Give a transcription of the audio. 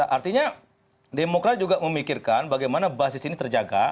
artinya demokrat juga memikirkan bagaimana basis ini terjaga